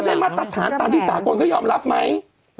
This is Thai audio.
แล้วได้มาตรฐานตามที่ศาคโกนเขายอมรับไหม